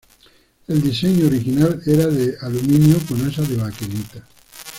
El diseño original era de aluminio con asa de baquelita.